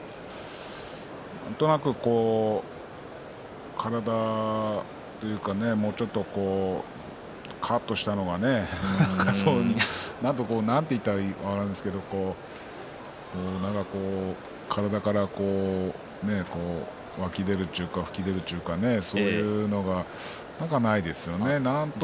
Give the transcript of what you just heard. なんとなく、こう体というかねもうちょっとかあっとしたのがねなんて言ったらいいのか分かりませんけどなんかこう、体から湧き出るというか突き出るというかそういうのがなんか、ないですよね。